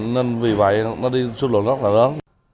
nên vì vậy nó đi số lượng rất là lớn